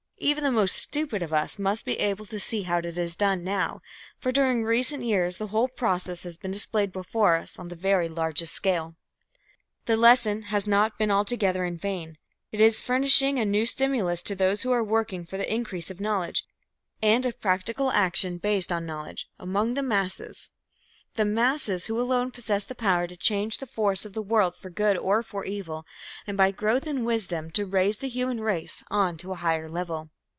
Even the most stupid of us must be able to see how it is done now, for during recent years the whole process has been displayed before us on the very largest scale. The lesson has not been altogether in vain. It is furnishing a new stimulus to those who are working for the increase of knowledge, and of practical action based on knowledge, among the masses, the masses who alone possess the power to change the force of the world for good or for evil, and by growth in wisdom to raise the human race on to a higher level.